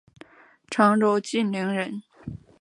常州晋陵人。